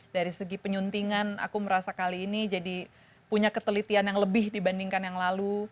dari segi penyuntingan aku merasa kali ini jadi punya ketelitian yang lebih dibandingkan yang lalu